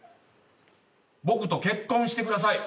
僕と結婚してください。